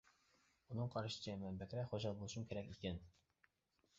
ئۇنىڭ قارىشىچە مەن بەكرەك خۇشال بولۇشۇم كېرەك ئىكەن.